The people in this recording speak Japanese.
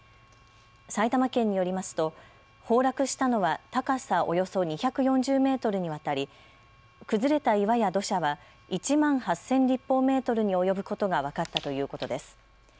埼玉県によりますと崩落したのは高さおよそ２４０メートルにわたり崩れた岩や土砂は１万８０００立方メートルに及ぶことが分かったということです。